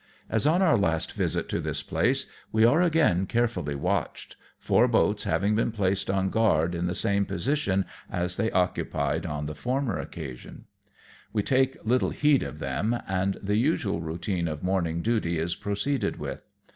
As on our last visit to this place, we are again care fully watched ; four boats having been placed on guard 278 AMONG TYPHOONS AND PIRATE CRAFT. in the same position as they occupied on the former occasion. We take little heed of them, and the usual routine of morning duty is proceeded with.